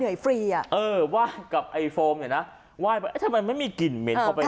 เอ้อว่ากับไอเฟอร์มนี่นะทำไมมันไม่มีกลิ่นเหม็น